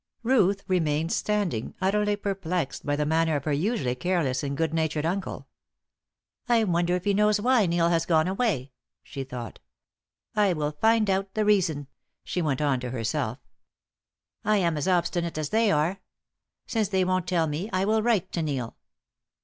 Ruth remained standing, utterly perplexed by the manner of her usually careless and good natured uncle. "I wonder if he knows why Neil has gone away?" she thought. "I will find out the reason," she went on to herself "I am as obstinate as they are. Since they won't tell me I will write to Neil."